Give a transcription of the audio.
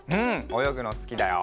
およぐのすきだよ。